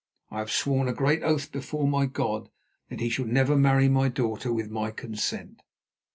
I have sworn a great oath before my God that he shall never marry my daughter with my consent.